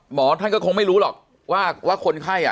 หมอท่านก็คงไม่รู้หรอกว่าคนไข้